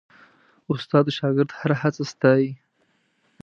استاد د شاګرد هره هڅه ستايي.